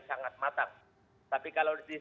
sangat matang tapi kalau